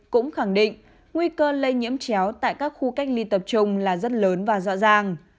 cũng khẳng định nguy cơ lây nhiễm chéo tại các khu cách ly tập trung là rất lớn và rõ ràng